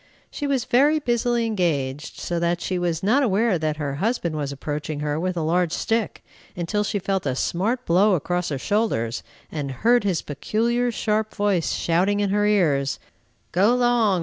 She was very busily engaged, so that she was not aware that her husband was approaching her with a large stick, until she felt a smart blow across her shoulders, and heard his peculiar, sharp voice shouting in her ears, "Go 'long!